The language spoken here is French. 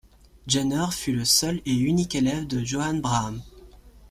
Jenner fut le seul et unique élève de Johannes Brahms.